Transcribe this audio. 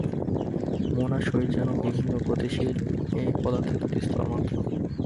মন আর শরীর যেন বিভিন্ন গতিশীল একই পদার্থের দুইটি স্তর মাত্র।